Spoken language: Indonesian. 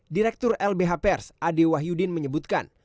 direktur lbh pers ade wahyudin menyebutkan